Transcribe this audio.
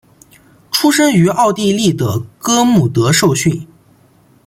出生于奥地利的哥穆德受训。